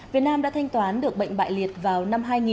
việt nam đã thanh toán được bệnh bại liệt vào năm hai nghìn